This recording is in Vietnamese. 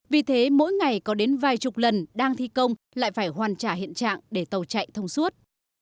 vì thế mỗi ngày có đến vài chục lần đang thi công lại phải hoàn trả hiện trạng để tàu chạy thông suốt